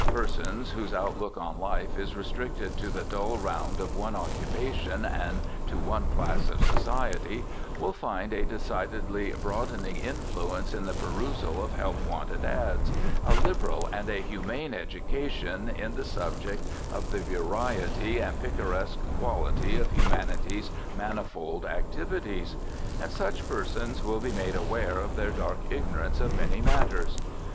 Persons whose outlook on life is restricted to the dull round of one occupation and to one class of society will find a decidedly broadening influence in the perusal of help wanted "ads," a liberal and a humane education in the subject of the variety and picaresque quality of humanity's manifold activities. And such persons will be made aware of their dark ignorance of many matters.